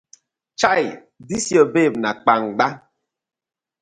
Chai dis yur babe na kpangba.